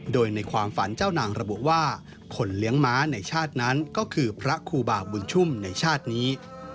โดยในความฝันเจ้านางระบุว่าคนเลี้ยงม้าในชาตินั้นก็คือพระครูบาบุญชุ่มในชาตินี้